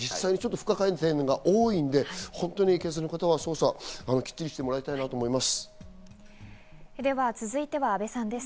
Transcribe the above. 不可解な点が多いので、警察の方は捜査をしっかりしてもらいたいと思います。